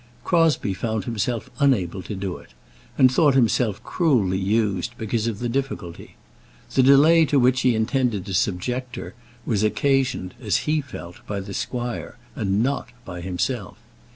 Crosbie found himself unable to do it, and thought himself cruelly used because of the difficulty. The delay to which he intended to subject her was occasioned, as he felt, by the squire, and not by himself.